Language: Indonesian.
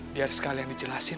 biar sekalian dijelasin